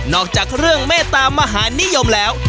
อกจากเรื่องเมตตามหานิยมแล้ว